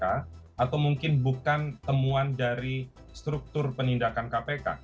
atau mungkin bukan temuan dari struktur penindakan kpk